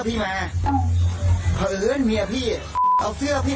ถ้าเป็นอย่างนั้นพี่จะทำอย่างไร